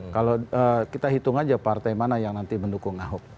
kalau kita hitung aja partai mana yang nanti mendukung ahok